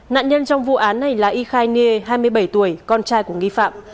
nạn nhân trong vụ án này là y khai nghê hai mươi bảy tuổi con trai của nghi phạm